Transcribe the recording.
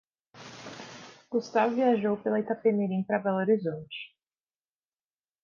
Gustavo viajou pela Itapemirim para Belo Horizonte.